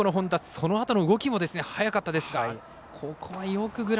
そのあとの動きも早かったですから。